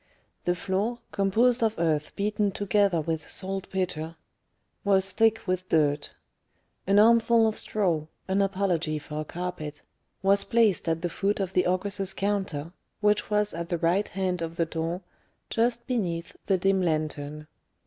The floor, composed of earth beaten together with saltpetre, was thick with dirt; an armful of straw an apology for a carpet was placed at the foot of the ogress's counter, which was at the right hand of the door, just beneath the dim lantern.